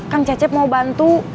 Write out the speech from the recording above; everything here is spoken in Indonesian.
kang cecep mau bantu